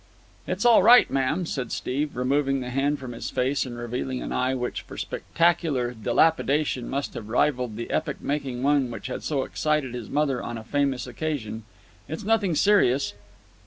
"It's all right, ma'am," said Steve, removing the hand from his face and revealing an eye which for spectacular dilapidation must have rivalled the epoch making one which had so excited his mother on a famous occasion. "It's nothing serious."